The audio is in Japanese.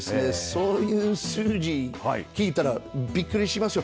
そういう数字聞いたらびっくりしますよ。